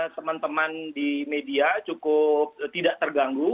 teman teman di media cukup tidak terganggu